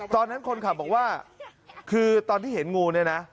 คนขับบอกว่าคือตอนที่เห็นงูเนี่ยนะ